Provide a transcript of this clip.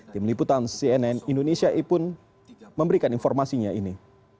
tim liputan cnn indonesia pun memberikan informasinya ini